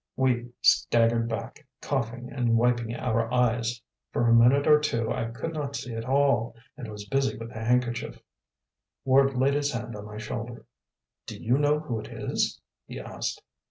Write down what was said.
We staggered back, coughing and wiping our eyes. For a minute or two I could not see at all, and was busy with a handkerchief. Ward laid his hand on my shoulder. "Do you know who it is?" he asked.